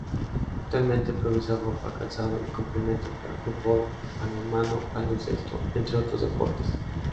Actualmente produce ropa, calzado, y complementos para fútbol, balonmano, baloncesto, entre otros deportes.